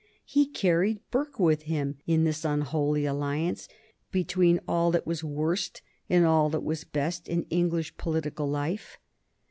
He carried Burke with him in this unholy alliance between all that was worst and all that was best in English political life.